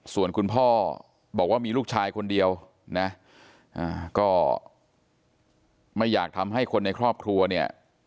ส่วนคุณพ่อบอกว่ามีลูกชายคนเดียวนะก็ไม่อยากทำให้คนในครอบครัวเนี่ย